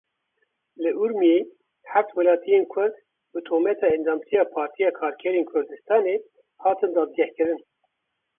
Li Urmiyê heft welatiyên Kurd bi tometa endamtiya Partiya Karkerên Kurdistanê hatin dadgehkirin.